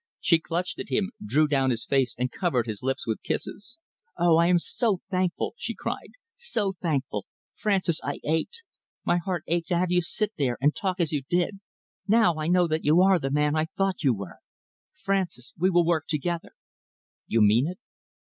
She clutched at him, drew down his face and covered his lips with kisses. "Oh! I am so thankful," she cried, "so thankful! Francis, I ached my heart ached to have you sit there and talk as you did. Now I know that you are the man I thought you were. Francis, we will work together." "You mean it?"